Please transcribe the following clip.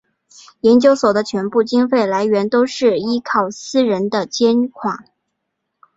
研究所的全部经费来源都是依靠私人的捐款。